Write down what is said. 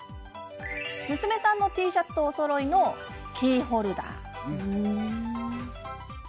娘さんのＴシャツとおそろいのキーホルダー。